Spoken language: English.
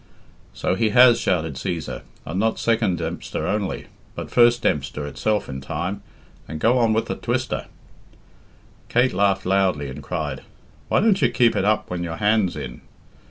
"So he has," shouted Cæsar, "and not second Dempster only, but first Dempster itself in time, and go on with the twister." Kate laughed loudly, and cried, "Why don't you keep it up when your hand's in?